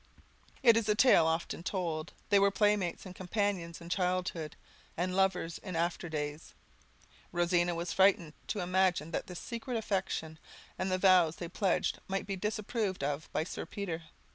It is a tale often told; they were playmates and companions in childhood, and lovers in after days. Rosina was frightened to imagine that this secret affection, and the vows they pledged, might be disapproved of by Sir Peter.